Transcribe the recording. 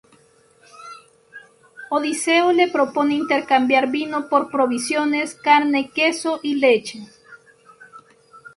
Odiseo le propone intercambiar vino por provisiones, carne, queso y leche.